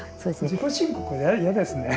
自己申告嫌ですね。